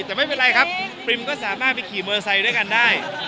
แต่ไม่เป็นไรครับปริมก็สามารถไปขี่มอเตอร์ไซค์ด้วยกันได้